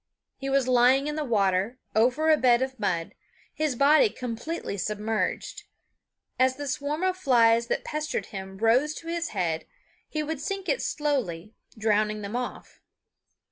He was lying in the water, over a bed of mud, his body completely submerged. As the swarm of flies that pestered him rose to his head he would sink it slowly, drowning them off.